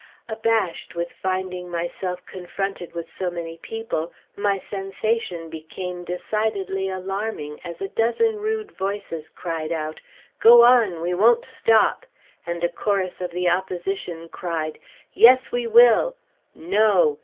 Abashed with finding myself confronted with so many people, my sensation became decidedly alarming as a dozen rude voices cried, "Go on! we won't stop!" and a chorus of the opposition cried, "Yes, we will!" "No!"